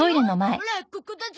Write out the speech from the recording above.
オラここだゾ。